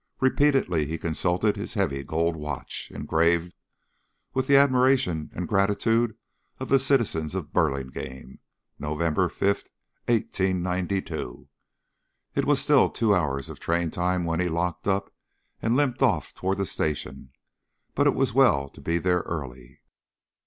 Repeatedly he consulted his heavy gold watch, engraved: "With the admiration and gratitude of the citizens of Burlingame. November fifth, 1892." It was still two hours of train time when he locked up and limped off toward the station, but it was well to be there early.